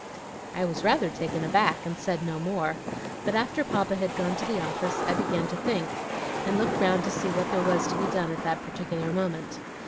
"I was rather taken aback, and said no more, but after Papa had gone to the office, I began to think, and looked round to see what there was to be done at that particular moment.